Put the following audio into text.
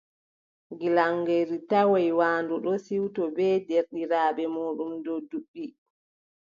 Gilaŋeeru tawoy waandu ɗon siwto bee deerɗiraaɓe muuɗum dow duɓɓi.